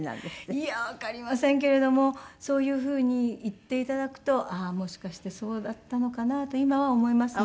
いやわかりませんけれどもそういうふうに言って頂くともしかしてそうだったのかなと今は思いますね。